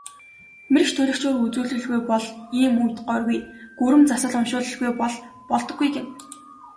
Мэргэч төлгөчөөр үзүүлэлгүй бол ийм үед горьгүй, гүрэм засал уншуулалгүй бол болдоггүй гэнэ.